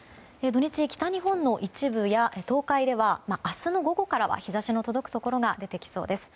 土日、北日本の一部や東海では明日の午後からは日差しの届くところが出てきそうです。